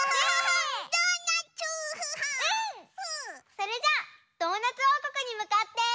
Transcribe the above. それじゃあドーナツおうこくにむかって。